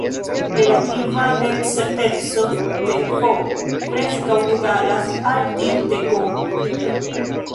Relativa necerteco de "F" preskaŭ egalas al tiu de "G".